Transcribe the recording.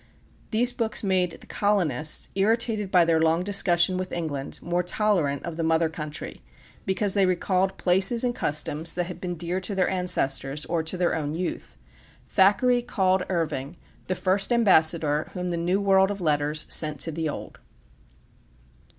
These books made the colonists, irritated by their long discussion with England, more tolerant of the mother country, because they recalled places and customs that had been dear to their ancestors, or to their own youth. Thackeray called Irving "the first ambassador whom the new world of letters sent to the old."